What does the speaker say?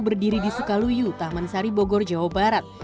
berdiri di sukaluyu taman sari bogor jawa barat